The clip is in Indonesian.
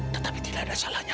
tetapi tidak ada salahnya